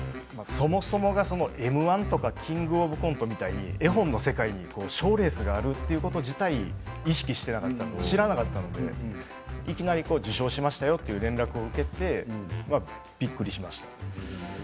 そもそもが「Ｍ−１」とか「キングオブコント」みたいに絵本の世界に賞レースがあること自体意識していなかった知らなかったのでいきなり受賞しましたよという連絡を受けてびっくりしました。